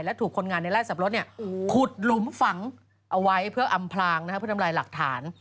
และถูกคนงานในไล่สับปะขุดหลุมฝังเอาไว้เพื่ออำพลางเพื่อทำลายหลักฐาน